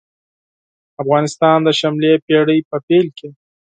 افغانستان د شلمې پېړۍ په پېل کې.